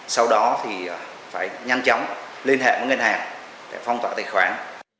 sau đó thì phải nhanh chóng liên hệ với ngân hàng để phong tỏa tài khoản